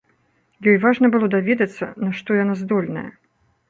Ёй важна было даведацца, на што яна здольная.